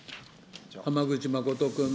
浜口誠君。